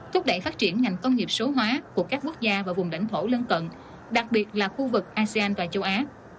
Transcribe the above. thúc đẩy phát triển ngành công nghiệp số hóa của các quốc gia và vùng lãnh thổ lân cận đặc biệt là khu vực asean và châu á